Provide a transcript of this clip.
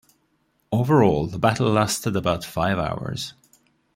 Overall, the battle lasted about five hours.